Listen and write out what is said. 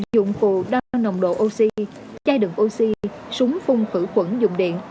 dụng cụ đo nồng độ oxy chai đựng oxy súng phung khử quẩn dụng điện